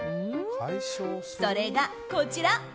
それが、こちら。